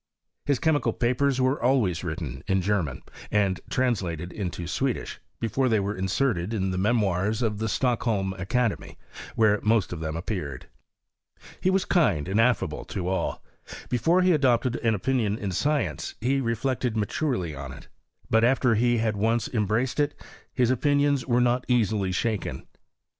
His chemical papers were always written in German, and translated into Swedish, before they w aerted in the Memoirs of the Stocklwlm / where most of them appeared. He was kind and affable to all. Before he adopted va opinion in science, he reflected maturely on it; but, after he had once embraced it, his opinions wera not easily ahaken.